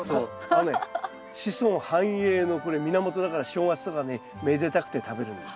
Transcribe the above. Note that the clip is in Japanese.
あのね子孫繁栄のこれ源だから正月とかにめでたくて食べるんです。